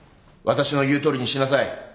私の言うとおりにしなさい。